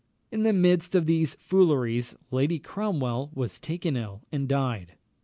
In the midst of these fooleries, Lady Cromwell was taken ill and died.